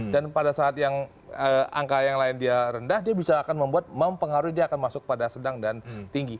dan pada saat yang angka yang lain dia rendah dia bisa akan membuat mempengaruhi dia akan masuk pada sedang dan tinggi